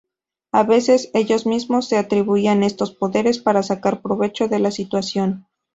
A veces, ellos mismos se atribuían estos poderes para sacar provecho de la situación.